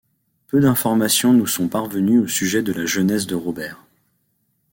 Peu d'informations nous sont parvenues au sujet de la jeunesse de Robert.